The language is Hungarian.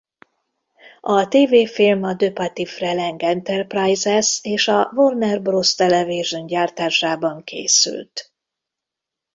A tévéfilm a DePatie-Freleng Enterprises és a Warner Bros. Television gyártásában készült.